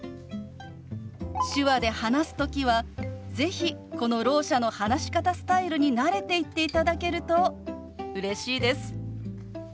手話で話す時は是非このろう者の話し方スタイルに慣れていっていただけるとうれしいです。